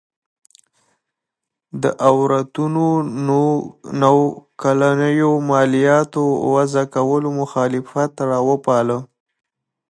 د اورتونونو کلنیو مالیاتو وضعه کولو مخالفت راوپاروله.